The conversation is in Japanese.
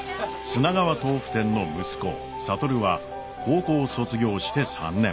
砂川とうふ店の息子智は高校を卒業して３年。